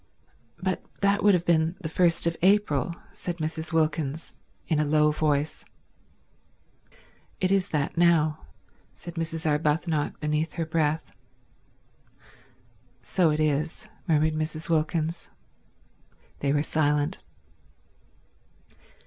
"But that would have been the first of April," said Mrs. Wilkins, in a low voice. "It is that now," said Mrs. Arbuthnot beneath her breath. "So it is," murmured Mrs. Wilkins. They were silent.